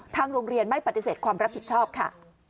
โรงเรียนไม่ปฏิเสธความรับผิดชอบค่ะ